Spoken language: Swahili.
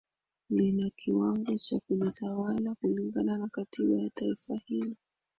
Lina kiwango cha kujitawala kulingana na katiba ya taifa hilo